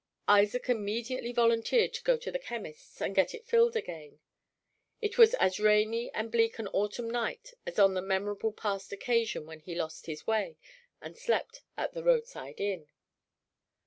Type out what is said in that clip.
Isaac immediately volunteered to go to the chemist's and get it filled again. It was as rainy and bleak an autumn night as on the memorable past occasion when he lost his way and slept at the road side inn.